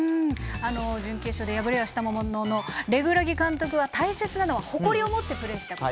準決勝で敗れはしたもののレグラギ監督は大切なのは誇りを持ってプレーしたこと。